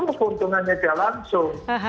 itu keuntungannya jalan langsung